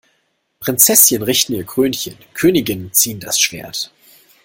Prinzesschen richten ihr Krönchen, Königinnen ziehen das Schwert!